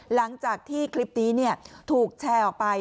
หลังจากที่คลิปนี้ถูกแชร์ออกไป